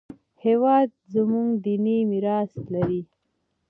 هېواد زموږ دیني میراث لري